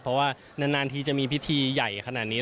เพราะว่านานทีจะมีพิธีใหญ่ขนาดนี้